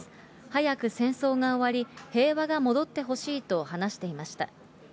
早く戦争が終わり、平和が戻ってほしいと話していました。